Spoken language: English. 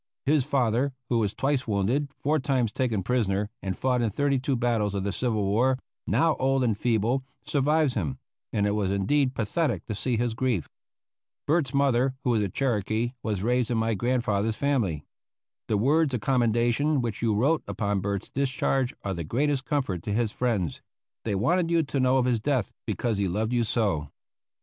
His father, who was twice wounded, four times taken prisoner, and fought in thirty two battles of the civil war, now old and feeble, survives him, and it was indeed pathetic to see his grief. Bert's mother, who is a Cherokee, was raised in my grandfather's family. The words of commendation which you wrote upon Bert's discharge are the greatest comfort to his friends. They wanted you to know of his death, because he loved you so.